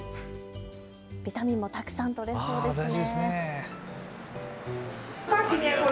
ビタミンもたくさんとれそうですね。